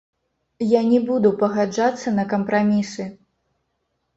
Я не буду пагаджацца на кампрамісы.